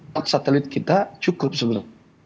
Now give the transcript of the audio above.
pak satelit kita cukup sebenarnya